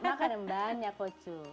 makan yang banyak kocok